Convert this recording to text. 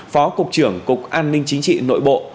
phó cục trưởng cục an ninh chính trị nội bộ